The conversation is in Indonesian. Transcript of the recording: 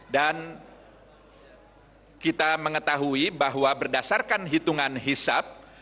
dan kita mengetahui bahwa berdasarkan hitungan hisap